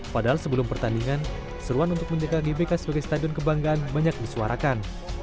padahal sebelum pertandingan seruan untuk menjaga gbk sebagai stadion kebanggaan banyak disuarakan